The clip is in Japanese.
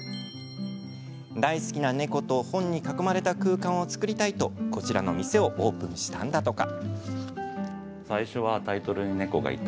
大好きな猫と本に囲まれた空間を作りたいと、こちらの店をオープンしたんだとか。